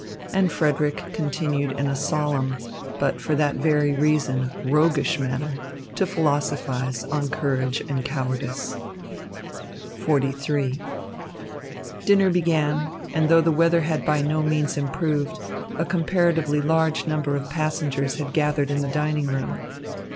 And Frederick continued in a solemn, but for that very reason, roguish manner to philosophise on courage and cowardice. XLIII Dinner began, and, though the weather had by no means improved, a comparatively large number of passengers had gathered in the dining room.